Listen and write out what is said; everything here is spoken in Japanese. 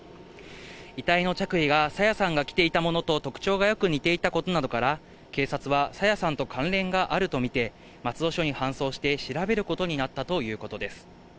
遺体の着衣が着ていたものと特徴がよく似ていたことから、警察は朝芽さんと関連があると見て、松戸署に搬送して、調べることになったということです。